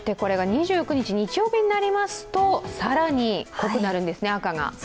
２９日日曜日になりますと更に赤が濃くなるんですね。